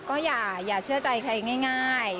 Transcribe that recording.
ก็อย่าเชื่อใจใครง่าย